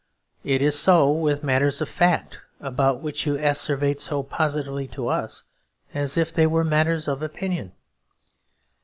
It is so with matters of fact about which you asseverate so positively to us, as if they were matters of opinion.